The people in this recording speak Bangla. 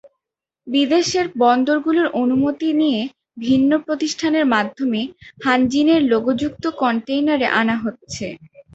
বিদেশের বন্দরগুলোর অনুমতি নিয়ে ভিন্ন প্রতিষ্ঠানের মাধ্যমে হানজিনের লোগোযুক্ত কনটেইনারে আনা হচ্ছে।